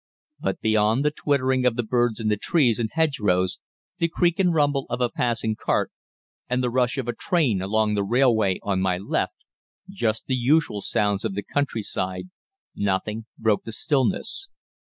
But beyond the twittering of the birds in the trees and hedgerows, the creak and rumble of a passing cart, and the rush of a train along the railway on my left just the usual sounds of the countryside nothing broke the stillness.